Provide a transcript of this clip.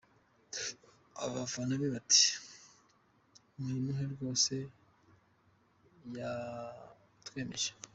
Abafana be bati 'Muyimuhe rwose yatwemeje'.